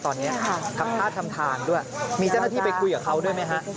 ตอนนี้ทำท่าทำทางด้วยมีเจ้าหน้าที่ไปคุยกับเขาด้วยไหมฮะ